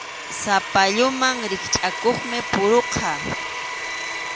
Sapalluman rikchʼakuqmi puruqa.